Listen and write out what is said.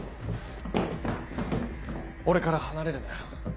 俺から離れるなよ。